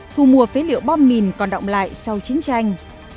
thu mua phế liệu bom mìn còn động lại sau chiến tranh